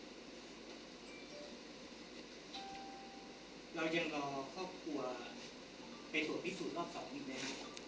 เรายังรอครอบครัวไปตรวจพิสูจน์รอบ๒อีกไหมครับ